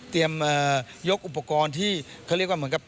ยกอุปกรณ์ที่เขาเรียกว่าเหมือนกับ